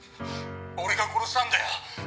俺が殺したんだよ。